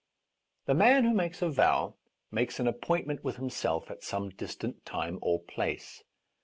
The man who makes a vow makes an appointment with himself at some distant time or place.